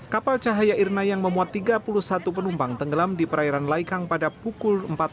kapal cahaya irna yang memuat tiga puluh satu penumpang tenggelam di perairan laikang pada pukul empat belas